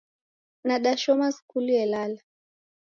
Nadashoma skulu yelala